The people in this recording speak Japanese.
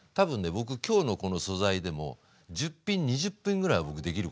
僕今日のこの素材でも１０品２０品ぐらいは僕できるかな。